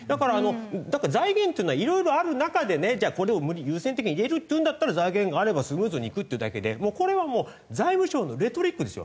だから財源っていうのはいろいろある中でねこれを優先的に入れるっていうんだったら財源があればスムーズにいくっていうだけでこれはもう財務省のレトリックですよ。